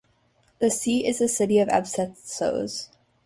The seat is the city of Asbestos.